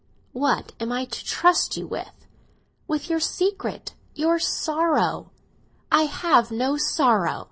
"What am I to trust you with?" "With your secret—your sorrow." "I have no sorrow!"